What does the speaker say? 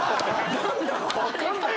何だか分かんない。